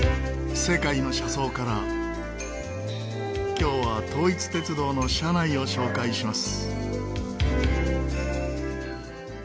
今日は統一鉄道の車内を紹介します。